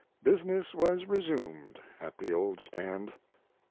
Business was resumed at the old stand.